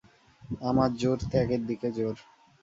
আমার জোর ত্যাগের দিকে জোর।